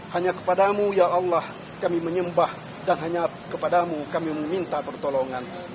hanya kepadamu ya allah kami menyembah dan hanya kepadamu kami meminta pertolongan